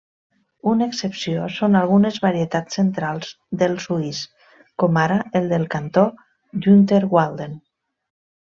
Una excepció són algunes varietats centrals del suís com ara el del cantó d'Unterwalden.